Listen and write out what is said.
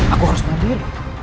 aku harus mandiri